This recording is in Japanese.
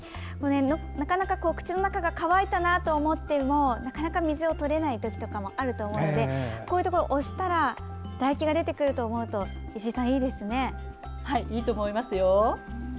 なかなか口の中が乾いたと思ってもなかなか水をとれないときとかもあると思うのでここを押したら唾液が出てくると思うといいと思います。